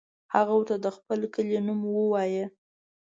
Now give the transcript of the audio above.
هغه ورته د خپل کلي نوم ووایه.